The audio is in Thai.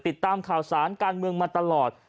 ติดตามข่าวสารการเมืองมาตลอด